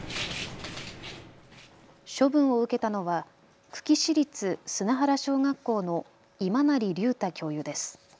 処分を受けたのは久喜市立砂原小学校の今成竜太教諭です。